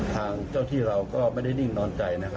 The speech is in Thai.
ทางเจ้าที่เราก็ไม่ได้นิ่งนอนใจ